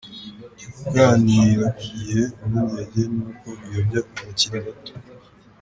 Jya uganirira ku gihe, impungenge ni uko biyobya abakiri bato.